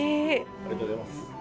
ありがとうございます。